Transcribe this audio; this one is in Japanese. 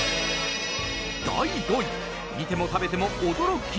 第５位、見ても食べても驚き！